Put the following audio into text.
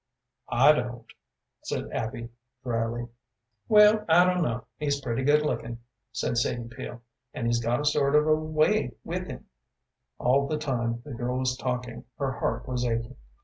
"I don't," said Abby, dryly. "Well, I don't know. He's pretty good looking," said Sadie Peel, "and he's got a sort of a way with him." All the time the girl was talking her heart was aching.